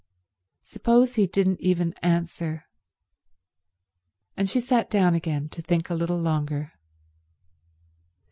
Suppose he didn't even answer. And she sat down again to think a little longer.